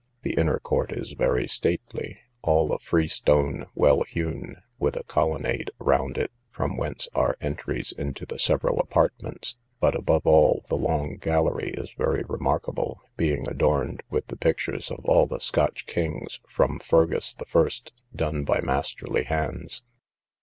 The inner court is very stately, all of free stone, well hewn, with a colonade round it, from whence are entries into the several apartments; but above all, the long gallery is very remarkable, being adorned with the pictures of all the Scotch kings, from Fergus the first, done by masterly hands.